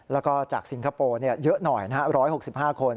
แล้วก็จากสิงคโปร์เยอะหน่อย๑๖๕คน